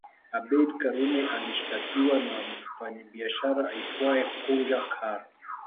Abeid Karume alishtakiwa na mfanyabiashara aitwae Punja Kara